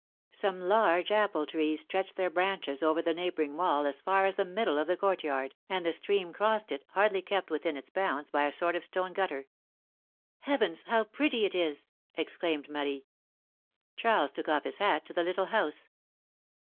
Some large apple trees stretched their branches over the neighboring wall as far as the middle of the court yard, philomI:ne's marbiages. 71 and the stream crossed it, hardly kept within its bounds by a sort of stone gutter. Heavens ! how pretty it is exclaimed Marie. Charles took off his hat to the little house.